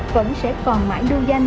vẫn sẽ còn mãi đưa danh